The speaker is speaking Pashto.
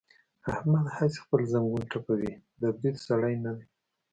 احمد هسې خپل زنګون ټپوي، د برید سړی نه دی.